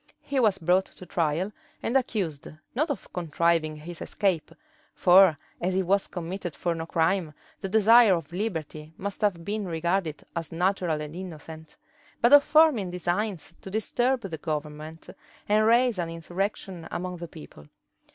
He was brought to trial, and accused, not of contriving his escape, (for as he was committed for no crime, the desire of liberty must have been regarded as natural and innocent,) but of forming designs to disturb the government, and raise an insurrection among the people.